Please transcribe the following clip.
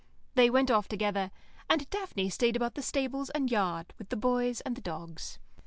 They went off together, and Daphne stayed about the stables and yard with the boys and the dogs.